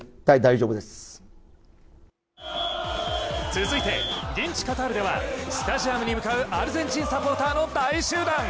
続いて現地カタールではスタジアムに向かうアルゼンチンサポーターの大集団。